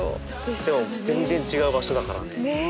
でも全然違う場所だからね。ね！